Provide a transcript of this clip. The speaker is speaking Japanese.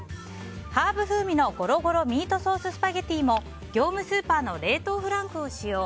ハーブ風味のごろごろミートソーススパゲティも業務スーパーの冷凍フランクを使用。